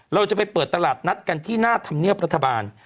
เราจะไปเปิดตลาดนัดกันที่หน้าธรรมเนียบรัฐบาล